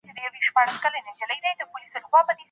ډیجیټل ډیټابیس د ژبې د راتلونکي ژوند لپاره یو بنسټیز ګام دی.